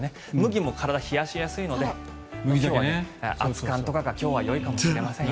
麦も体を冷やしやすいので今日は熱燗とかがよいかもしれません。